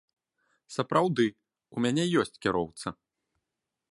Сапраўды, у мяне ёсць кіроўца.